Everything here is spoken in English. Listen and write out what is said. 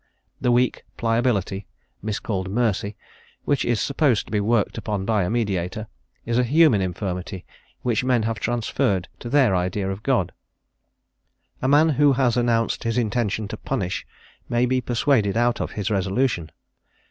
The weak pliability, miscalled mercy, which is supposed to be worked upon by a mediator, is a human infirmity which men have transferred to their idea of God. A man who has announced his intention to punish may be persuaded out of his resolution.